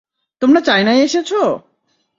তোমরা চায়নায় এসেছ!